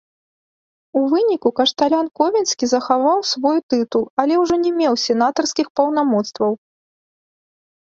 У выніку, кашталян ковенскі захаваў свой тытул, але ўжо не меў сенатарскіх паўнамоцтваў.